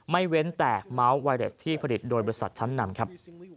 เว้นแต่เมาส์ไวเรสที่ผลิตโดยบริษัทชั้นนำครับ